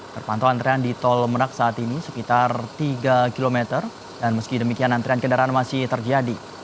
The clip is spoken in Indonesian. terpantau antrean di tol merak saat ini sekitar tiga km dan meski demikian antrian kendaraan masih terjadi